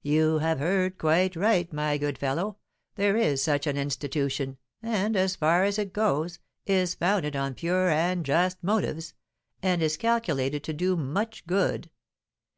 "You have heard quite right, my good fellow, there is such an institution, and, as far as it goes, is founded on pure and just motives, and is calculated to do much good.